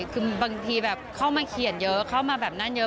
คือบางทีแบบเข้ามาเขียนเยอะเข้ามาแบบนั้นเยอะ